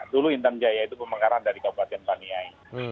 dulu intan jaya itu pemekaran dari kabupaten paniai